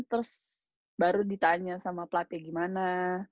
terus baru ditanya sama pelatih gimana